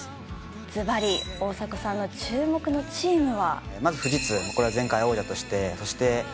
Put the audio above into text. ズバリ大迫さんの注目のチームは？